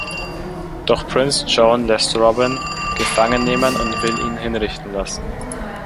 Doch Prinz John lässt Robin gefangen nehmen und will ihn hinrichten lassen.